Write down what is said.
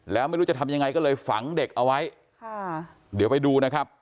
แล้วไม่รู้จะทำยังไงก็เลยฝังเด็กเอาไว้ค่ะเดี๋ยวไปดูนะครับ